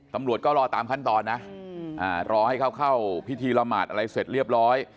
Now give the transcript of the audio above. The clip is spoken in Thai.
ตำรวจก็รอตามขั้นตอนนะรอให้เขาเข้าพิธีละหมาดอะไรเสร็จเรียบร้อย